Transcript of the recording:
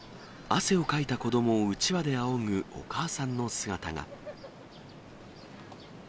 汗をかいた子どもをうちわであおぐお母さんの姿が。